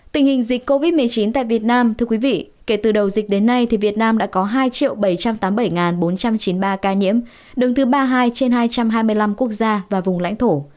tình hình dịch covid một mươi chín tại việt nam thưa quý vị kể từ đầu dịch đến nay việt nam đã có hai bảy trăm tám mươi bảy bốn trăm chín mươi ba ca nhiễm đứng thứ ba mươi hai trên hai trăm hai mươi năm quốc gia và vùng lãnh thổ